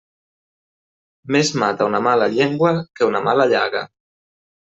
Més mata una mala llengua que una mala llaga.